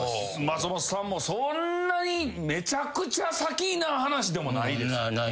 松本さんもそんなにめちゃくちゃ先な話でもない。